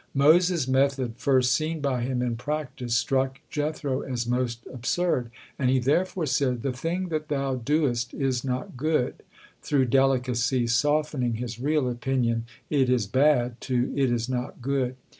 Moses' method, first seen by him in practice, struck Jethro as most absurd, and he therefore said: "The thing that thou doest is not good," through delicacy softening his real opinion, "It is bad" to "It is not good."